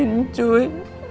kalau mau ngerawat cuy